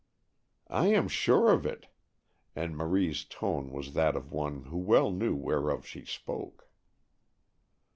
"I am sure of it;" and Marie's tone was that of one who well knew whereof she spoke.